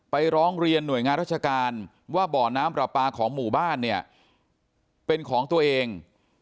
ร้องเรียนหน่วยงานราชการว่าบ่อน้ำปลาปลาของหมู่บ้านเนี่ยเป็นของตัวเอง